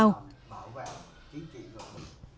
họ đã đồng ý với đảng và nhà nước